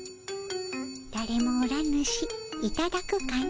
だれもおらぬしいただくかの。